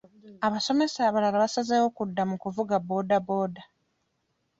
Abasomesa abalala basazeewo kudda mu kuvuga boodabooda.